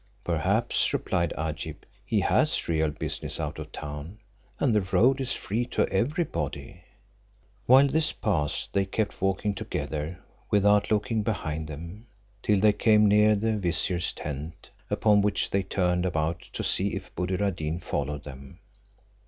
"Perhaps," replied Agib, "he has real business out of town, and the road is free to every body." While this passed they kept walking together, without looking behind them, till they came near the vizier's tents, upon which they turned about to see if Buddir ad Deen followed them.